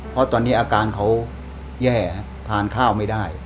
เพราะตอนนี้อาการเขาแย่ทานข้าวไม่ได้